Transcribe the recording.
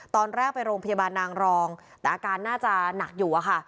ตอนแรกไปโรงพยาบาลนางรองแต่อาการน่าจะหนักอยู่อะค่ะ